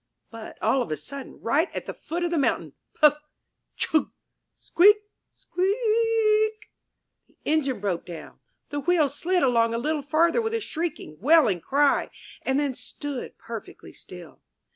But all of a sudden, right at the foot of the mountain, Puff! Chug! Squeak! Squea ea eak ! The Engine broke down; the wheels slid along a little farther with a shrieking, wailing cry and then stood perfectly still.